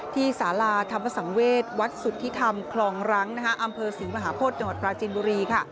ที่ศาลาธรรมสังเวชวัดสุทธิธรรมคลองรังอำเภอศรีมหาพลประจินบุรี